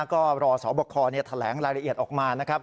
ก็รอสอบคอแถลงรายละเอียดออกมานะครับ